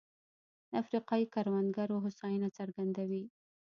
د افریقايي کروندګرو هوساینه څرګندوي.